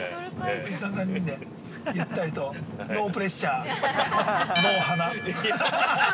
◆おじさん３人でゆったりと、ノープレッシャー、ノー華。